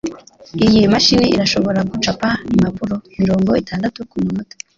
Iyi mashini irashobora gucapa impapuro mirongo itandatu kumunota